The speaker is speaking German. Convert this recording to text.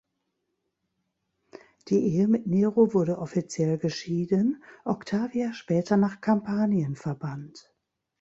Die Ehe mit Nero wurde offiziell geschieden, Octavia später nach Kampanien verbannt.